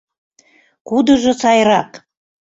КУДЫЖО САЙРАК?